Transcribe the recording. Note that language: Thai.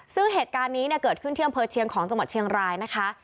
ซึ่งเหตุการณ์นี้เนี่ยเกิดขึ้นที่อำเภอเชียงของจังหวัดเชียงรายนะคะ